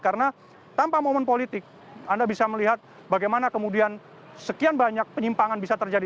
karena tanpa momen politik anda bisa melihat bagaimana kemudian sekian banyak penyimpangan bisa terjadi